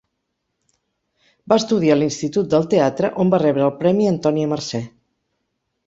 Va estudiar a l'Institut del Teatre, on va rebre el premi Antònia Mercè.